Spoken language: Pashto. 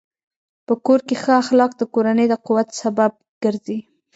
په کور کې ښه اخلاق د کورنۍ د قوت سبب ګرځي.